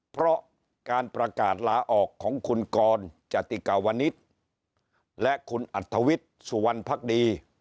เพราะการประกาศลาออกของคุณกรจติกาวนิษฐ์และคุณอัธวิทย์สุวรรณภักดี